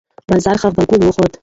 بازار ښه غبرګون وښود.